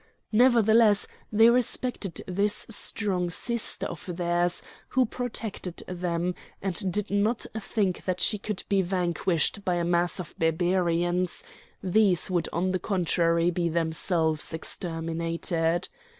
Nevertheless they respected this strong sister of theirs who protected them, and they did not think that she could be vanquished by a mass of Barbarians; these would on the contrary be themselves exterminated.